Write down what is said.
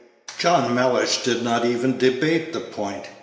John Mellish did not even debate the point.